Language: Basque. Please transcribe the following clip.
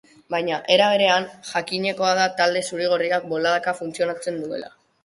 Baina, era berean, jakinekoa da talde zuri-gorriak boladaka funtzionatzen duela.